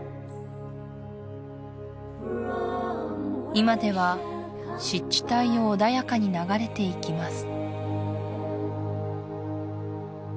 今では湿地帯を穏やかに流れていきます